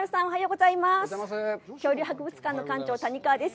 恐竜博物館の館長、谷川です。